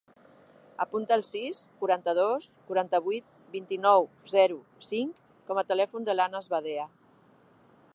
Apunta el sis, quaranta-dos, quaranta-vuit, vint-i-nou, zero, cinc com a telèfon de l'Anas Badea.